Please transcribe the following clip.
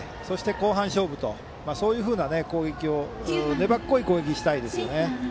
後半勝負と、そういう粘っこい攻撃をしたいですね。